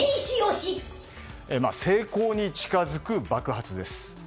成功に近づく爆発です。